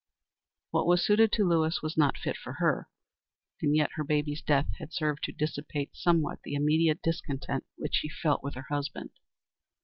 What was suited to Lewis was not fit for her. And yet her baby's death had served to dissipate somewhat the immediate discontent which she felt with her husband.